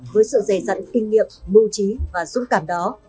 với sự dề dặn kinh nghiệm mưu trí và dũng cảm đó